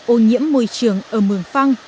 ô nhiễm môi trường ở mường phăng